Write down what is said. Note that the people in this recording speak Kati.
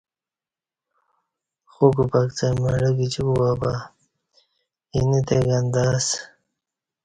خوک پکڅہ مڑہ گجی کوبہ بہ اینہ تہ گندہ اسہ